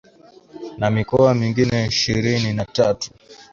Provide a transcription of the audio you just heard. na mikoa mingine ishirini na tatu